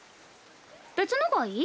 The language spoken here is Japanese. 別のがいい？